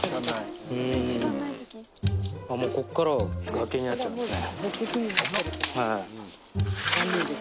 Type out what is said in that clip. こっからは崖になっちゃうんですね。